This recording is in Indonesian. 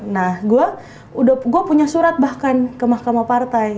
nah gue punya surat bahkan ke mahkamah partai